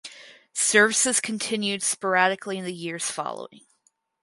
Services continued sporadically in the years following.